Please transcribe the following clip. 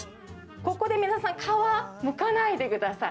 ここで皆さん、皮はむかないでください。